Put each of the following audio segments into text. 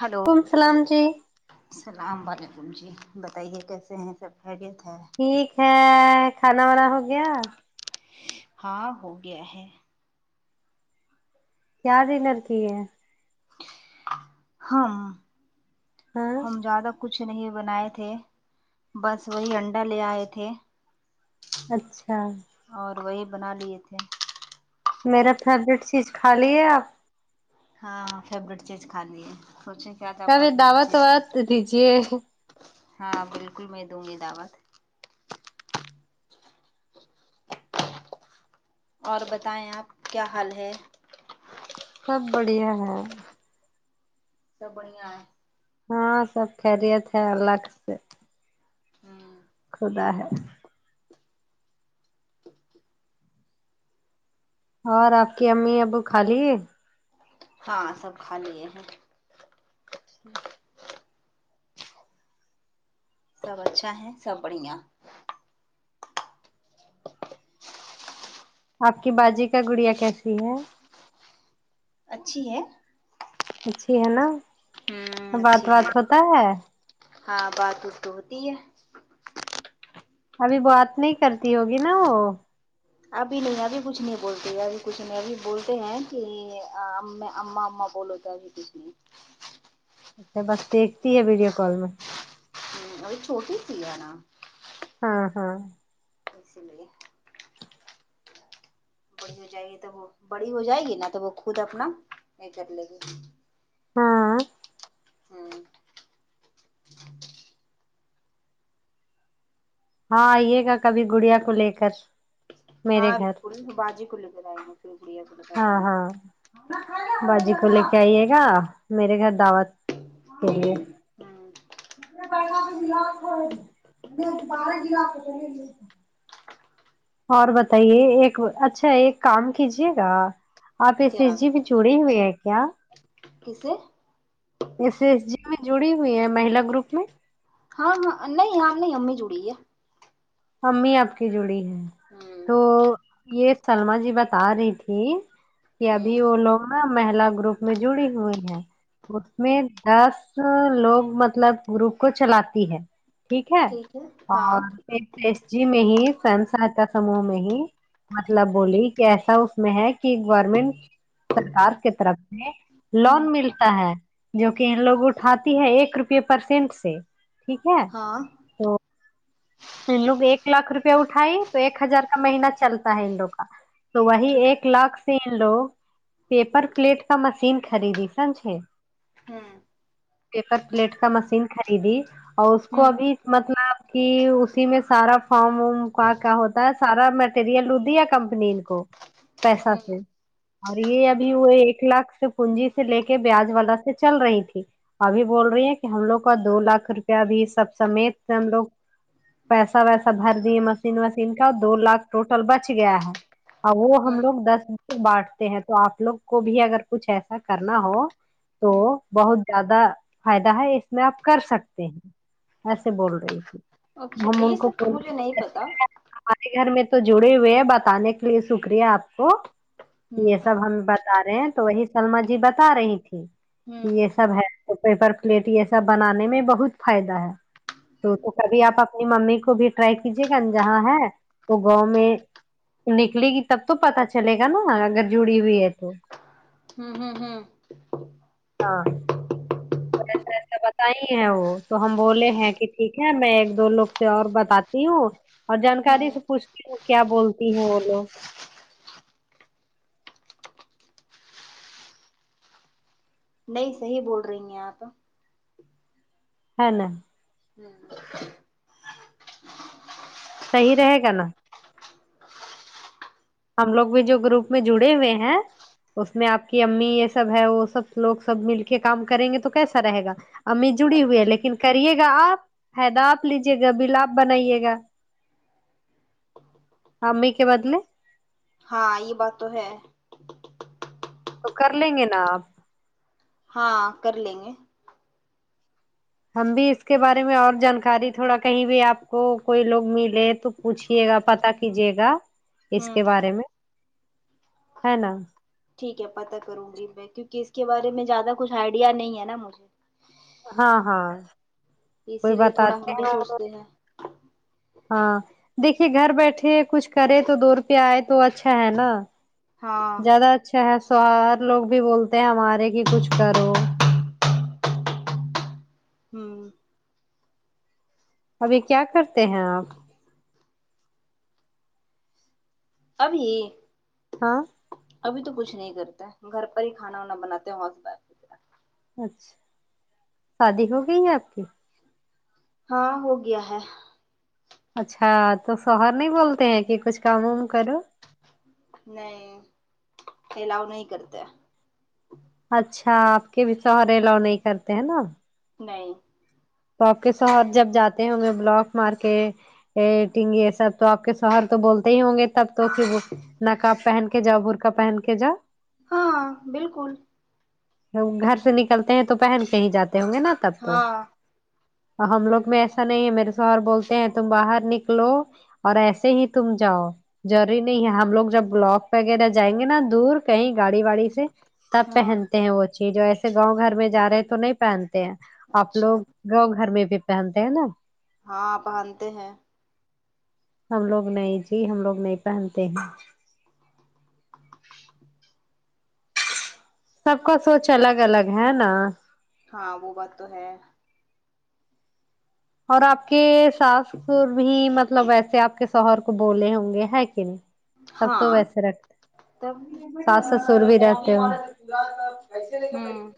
hello ولیکم السلام جی السلام علیکم جی بتائیے کیسے ہیں سب خیریت ہے ٹھیک ہے کھانا وانا ہو گیا ہاں ہو گیا ہے پیاری لڑکی ہے ہم ہاں ہم زیادہ کچھ نہیں بنائے تھے بس وہی انڈا لے آئے تھے اچھا اور وہی بنا لیے تھے میرا فیوریٹ چیز کھا لیے آپ ہاں ہاں فیوریٹ چیز کھا لیے سوچیں کیا تھا آپ کا فیوریٹ چیز ہے تو دیجیے ہاں بالکل میں دوں گی دعوت اور بتائیں آپ کیا حال ہے سب بڑھیا ہے سب بڑھیا ہے ہاں سب خیریت ہے اللہ سے ہاں خدا ہے اور آپ کے امی ابو کھا لیے ہاں سب کھا لیے ہیں اچھا سب اچھا ہے سب بڑھیا آپ کی باجی کا گڑیا کیسی ہے اچھی ہے اچھی ہے نا ہوں بات اچھی ہے وات ہوتا ہے ہاں بات وات تو ہوتی ہے ابھی بات نہیں کرتی ہوگی نا وہ ابھی نہیں ابھی کچھ نہیں بولتی ابھی کچھ نہیں ابھی بولتے ہیں کہ اما اما بولو بھی کسی اچھ تو بس دیکھتی ہے ویڈیو کال میں اب چھوٹی سی ہے نا ہاں ہاں اسی لیے بڑی ہو جائے گی تو وہ بڑی ہو جائے گی نہ تو وہ خود اپنا یہ کر لے گی ہاں ہوں ہاں آئیے گا کبھی گڑیا کو لے کر میرے ہاں گھر بڑی باجی کو لے کر آائ گے پھر بڑی ہاں ہاں باجی کو لے کے آئیے گا میرے گھر دعوت بولیے ہوں [unintelligible] لاو بار دلا اور بتائیے ایک اچھا ایک کام کیجیے گا آپ ا ایس کیا جی میں جڑے ہوئے ہیں کیا کسے ای سی ایس جی میں جڑی ہوئی ہے مہیلا گروپ میں ہاں نہیں ہم نہیں امی جڑی ہے امی اپکی جڑی ہوئی ہے ہوں تو یہ سلما جی بتا رہی تھی کہ ابھی ہوں وہ لوگ نا مہیلا گروپ میں جڑی ہوئی ہیں اس میں دس لوگ مطلب گروپ کو چلاتی ہے ٹھیک ہے اور ایک پس جی میں ہی فم سہاتا سموہ میں ہی مطلب بولی کہ ایسا اس میں ہے کہ گورنمنٹ سرکار کے طرف سے ہوں لون ملک تا ہے جو کہ ان لوگ اٹھاتی ہے ایک روپے پرسینٹ سے ٹھیک ہے ہاں تو ان لوگ ایک لاکھ روپیہ اٹھائیں تو ایک ہزار کا مہینہ چلتا ہے ان لوگ کا تو وہی ٹھیک ایک لاکھ سے ان لوگ پیپر پلیٹ کا مشین خریدی سمجھے ہوں [inaudible] پیپر پلیٹ کا مشین خریدی اور اس کو ہوں ابھی مطلب کہ اسی میں سارا فارم وم کا کیا ہوتا ہے سارا مٹیریل لدیا کمپنی کو پیسہ ہوں سے اور یے ابھی وہ ایک لاکھ سے پونجی سے لے کے بیاج والا سے چل رہی تھی ابھی بول رہی ہیں کی ہم لوگ کا دو لاکھ روپیہ بھی سب سمیت ہم لوگ پیسہ ویسا بھر دیے مشین وشین کا دو لاکھ ٹوٹل بچ گیا ہے ہاں وہ ہوں ہم لوگ دس بانٹتے ہیں تو آپ لوگ کو بھی اگر کچھ ایسا کرنا ہو تو ہوں بہت زیادہ فائدہ ہے اس میں آپ کر سکتے ہیں ایسے بول رہی تھی اچھا ہم ان یہ کو سب تو مجھے نہیں پتا آپ کے گھر میں تو جڑے ہوئے ہیں بتانے کے لیے شکریہ آپ کو یے ہوں سب ہم بتا رہے ہیں تو وہی سللمہ جی بتا رہی تھی ہوں یے سب ہے پیپر پلیٹ یے سب بنانے میں بہت فائدہ ہے تو تو کبھی آپ اپنی ممی کو بھی ٹرائی کیجیے گا جہاں ہے تو گاؤں میں نکلے گی تب تو پتہ چلے گا نا اگر جڑی ہوئی ہے تو ہمم ہمم ہاں تو ایسا ایسا بتائی ہیں وہ تو ہم بولے ہیں کی ٹھیک ہے میں ایک دو لوگ سے اور بتاتی ہوں اور جانکاری ہوں سے پوچھتی ہوں کیا بولتی ہیں وہ لوگ نہیں صحیح بول رہی ہیں آپ ہے نہ ہمم صحیح رہے گا نا ہم لوگ بھی جو گروپ میں جڑے ہوئے ہیں اس میں آپ کی امی یے سب ہے وہ سب لوگ سب مل کے کام کریں گے تو کیسا رہے گا امی جڑی ہوئی ہے اچھا لیکن کریے گا آپ فائدہ آپ لیجیے گا بل آپ بنائیے گا امی کے بدلے ہاں یے بات تو ہے تو کر لیں گے نا آپ ہاں کر لیں گے ہم بھی اس کے بارے میں اور جانکاری تھوڑا کہیں بھی آپ کو کوئی لوگ ملے تو پوچھیے گا پتہ کیجیے گا اس کے ہوں بارے میں ہے نا ٹھیک ہے پتہ کروں گی میں کیونکی اس کے بارے میں زیادہ کچھ ایڈیا نہیں ہے نا مجھے ہاں ہاں کوئی اسی لیے تھوڑا بتاتے ہم بھی ہیں سوچتے ہیں ہاں دیکھیے گھر بیٹھے کچھ کرے تو دو روپیہ آئے تو اچھا ہے نا ہاں زیادہ اچھا ہے شوہر لوگ بھی بولتے ہیں ہمارے کی کچھ کرو ہوں ابھی کیا کرتے ہیں آپ ابھی ہاں ابھی تو کچھ نہیں کرتا ہے گھر پر ہی کھانا وانا بناتے وقت پر اچھا شادی ہو گئی ہے آپ کی ہاں ہو گیا ہے اچھا تو شوہر نہیں بولتے ہیں کی کچھ کام وم کرو نہیں ایلاو نہیں کرتے اچھا آپ کے بھی شوہر الاؤ نہیں کرتے ہیں نا نہیں تو آپ کے س جب جاتے ہیں بلاک مارک ایٹنگ یے سب تو آپ کے شوہر تو بولتے ہی ہوں گے تب تو کی وہ نقاب پہن کے جا برخا پہن کے جا ہاں بالکل جب گھر سے نکلتے ہیں تو پہن کے ہی جاتے ہوں گے نا تب تو ہاں ہم لوگ میں ایسا نہیں ہے میرے شوہر بولتے ہیں تم باہر نکلو اور ایسے ہی تم جاؤ ضروری نہیں ہے ہم لوگ جب بلاک وغیرہ جائیں گے نا دور کہیں گاڑی واڑی سے تب ہاں پہنتے ہیں وہ چی جو ایسے گاؤں گھر میں جا رہے تو نہیں پہنتے ہیں آپ اچھا لوگ گاؤں گھر میں بھی پہنتے ہیں نا ہاں پہنتے ہیں ہم لوگ نہیں جی ہم لوگ نہیں پہنتے ہیں سب کا سوچ الگ الگ ہے نا ہاں وہ بات تو ہے اور آپ کے ساس ساسر بھی مطلب ویسے آپ کے شوہر بولے ہوں گے ہے کی نہیں تب تو ہاں ویسے تب رکھتے ساس ساسر بھی رہتے ہے ہوں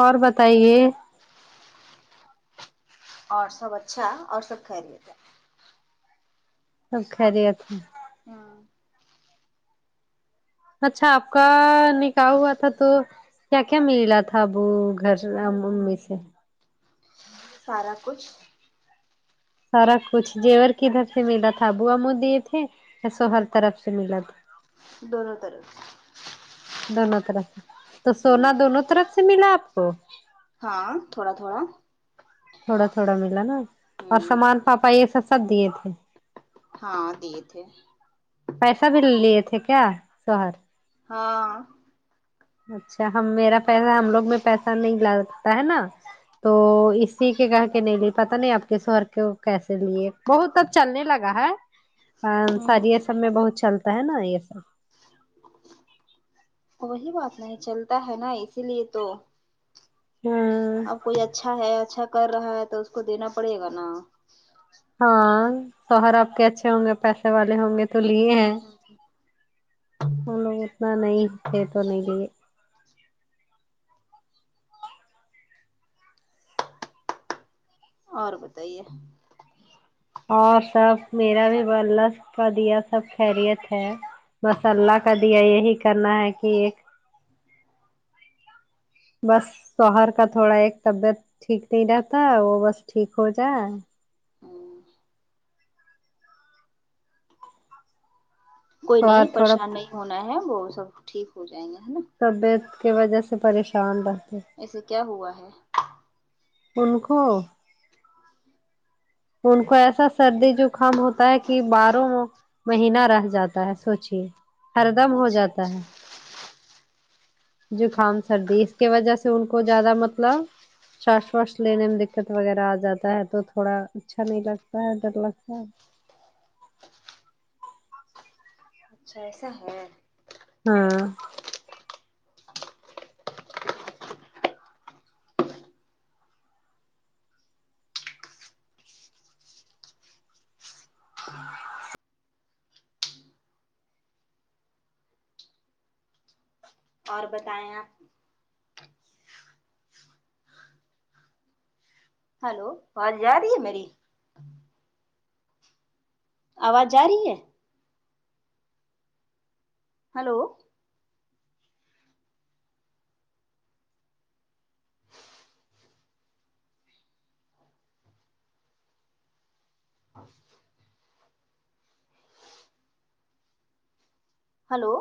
اور بتائیے اور سب اچھا اور سب خیریت ہے سب خیریت ہے ہاں اچھا آپ کا نکاح ہوا تھا تو کیا کیا میلا تھا ابو گھر امی سے سارا کچھ سارا کچھ زیور کدھر سے ملا تھا ابو امی دیے تھے ہے سو ہر طرف سے ملا تھا دونوں طرف دونوں طرف سے تو ہوں سونا دونوں طرف سے ملا آپ کو ہاں تھوڑا تھوڑا تھوڑا تھوڑا ملا نا اور ہوں سامان پاپا یے سب سب دیے تھے ہاں دیے تھے پیسہ بھیے لیے تھے کیا شہر ہاں اچھا ہم میرا پیسہ ہم لوگ میں پیسہ نہیں لگتا ہے نا تو اسی کے کہ کے نہیں لیے پتہ نہیں آپ کے سوہر کے کیسے لیے بہت اب چلنے لگا ہے ہوں سر یے سب میں بہت چلتا ہے نا یے سب وہی بات نہیں چلتا ہے نا اسی لیے تو ہ اب کوئی اچھا ہے اچھا کر رہا ہے تو اس کو دینا پڑے گا نا ہاں شوہر آپ کے اچھے ہوں گے پیسے والے ہوں گے تو لیے ہیں ہم لوگ اتنا نہیں تھے تو نہیں لیے اور بتائیے اور سب میرا بھی بس اللہ کادیا سب خیریت ہے بس اللہ کا دیا یہی کرنا ہے کہ ایک بس شوہر کا تھوڑا ایک طبیعت ٹھیک نہیں رہتا وہ بس ٹھیک ہو جائے ہوں کوئی شوہر نہیں تھوڑا پریشان نہیں ہونا ہے وہ سب ٹھیک ہو جائیں گے ہے نا طبیعت کی وجہ سے پریشان رہتے ایسے کیا ہوا ہے ان کوو ان کو ایسا سردی جو زوکام ہوتا ہے کہ باروں مہینہ رہ جاتا ہے سوچے ہر دم ہو اچھا جاتا اچھا ہے زکام سردی اس کی وجہ سے ان کو زیادہ مطلب شاش واش لینے میں دقت وغیرہ آ جاتا ہے تو تھوڑا اچھا نہیں لگتا ہے ڈر لگتا ہے اچھا ایسا ہے ہاں اور بتائیں آپ ہیلو آواز جا رہی ہے میری آواز جا رہی ہے ہیلو ہیلو